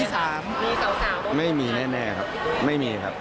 มีสาวบ้างไหมคะไม่มีแน่ครับไม่มีครับ